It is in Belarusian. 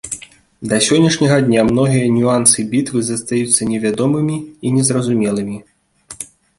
Да сённяшняга дня многія нюансы бітвы застаюцца невядомымі і незразумелымі.